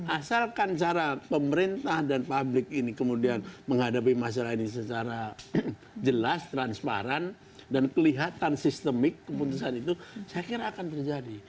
asalkan cara pemerintah dan publik ini kemudian menghadapi masalah ini secara jelas transparan dan kelihatan sistemik keputusan itu saya kira akan terjadi